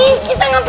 ini kita lihat